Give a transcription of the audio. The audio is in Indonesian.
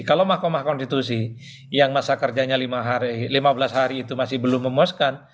kalau mahkamah konstitusi yang masa kerjanya lima belas hari itu masih belum memuaskan